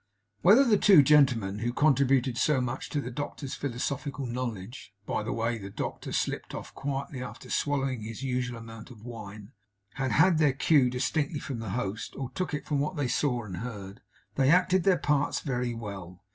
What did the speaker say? Whether the two gentlemen who contributed so much to the doctor's philosophical knowledge (by the way, the doctor slipped off quietly, after swallowing his usual amount of wine) had had their cue distinctly from the host, or took it from what they saw and heard, they acted their parts very well.